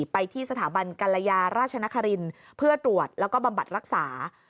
ไปที่สถาบันกรยาราชนครินทร์เพื่อตรวจแล้วก็บำบัดรักษา